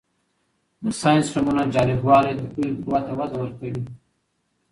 د ساینسي نومونو جالبوالی د پوهې قوت ته وده ورکوي.